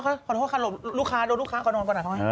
โอโหขอโทษค่ะหลบลูกค้ารูปลูกค้าขออนุญาตกว่าหน่อย